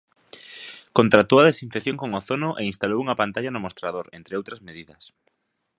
Contratou a desinfección con ozono e instalou unha pantalla no mostrador, entre outras medidas.